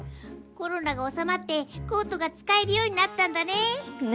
コロナがおさまってコートがつかえるようになったんだね。ね。